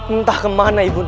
entah kemana ibu nda